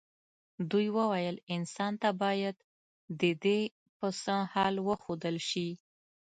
دوی وویل انسان ته باید ددې پسه حال وښودل شي.